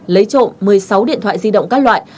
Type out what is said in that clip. lấy trộm một mươi sáu điện thoại di động các loại